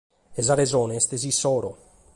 E sa resone est s’issoro.